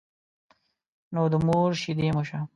نو د مور شيدې مو شه.